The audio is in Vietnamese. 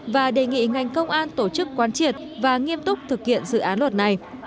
và đề nghị ngành công an tổ chức quan triệt và nghiêm túc thực hiện dự án luật này